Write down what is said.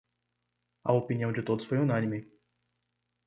A opinião de todos foi unânime.